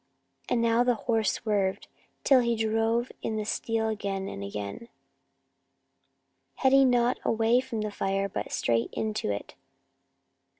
And now the horse swerved, till he drove in the steel again and again, heading him not away from the fire but straight into it!